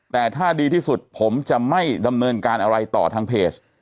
แต่ถ้าดีที่สุดผมจะไม่ดำเนินการอะไรต่อทางเพจ